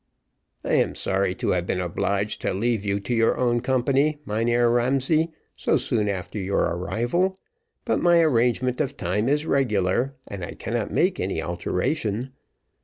"I am sorry to have been obliged to leave you to your own company, Mynheer Ramsay, so soon after your arrival; but my arrangement of time is regular, and I cannot make any alteration.